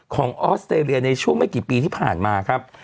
ออสเตรเลียในช่วงไม่กี่ปีที่ผ่านมาครับ